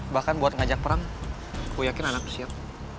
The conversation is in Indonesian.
bahkan buat ngajak perang gue yakin anaknya siap